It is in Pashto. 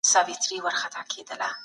ابن خلدون دواړه څېړي.